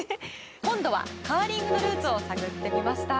今度はカーリングのルーツを探ってみました。